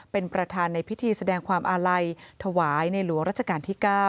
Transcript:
เป็นประธานในพิธีแสดงความอาลัยถวายในหลวงรัชกาลที่๙